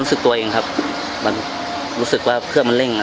และอันดับสุดท้ายประเทศอเมริกา